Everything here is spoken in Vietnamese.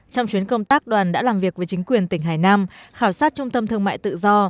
trong chuyến công tác đoàn đã làm việc với chính quyền tỉnh hải nam khảo sát trung tâm thương mại tự do